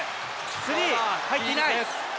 スリー、入っていない。